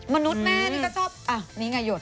มนุษย์แม่นี่ก็ชอบนี่ไงหยด